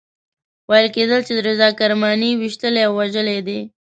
ویل کېدل چې رضا کرماني ویشتلی او وژلی دی.